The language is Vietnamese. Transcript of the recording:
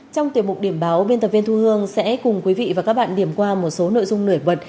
trong tiềm mục điểm báo biên tập viên thu hương sẽ cùng quý vị và các bạn điểm qua một số nội dung nổi bật